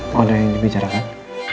mau ada yang dibicarakan